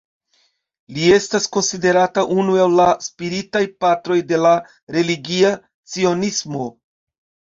Li estas konsiderata unu el la spiritaj patroj de la religia cionismo.